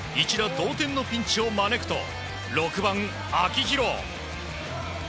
同点のピンチを招くと６番、秋広。